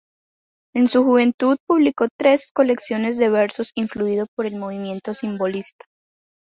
En su juventud publicó tres colecciones de versos influido por el movimiento Simbolista.